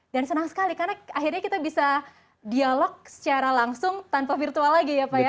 dan senang sekali karena akhirnya kita bisa dialog secara langsung tanpa virtual lagi ya pak ya